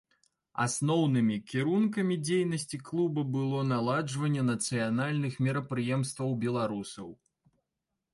Асноўнымі кірункамі дзейнасці клуба было наладжванне нацыянальных мерапрыемстваў беларусаў.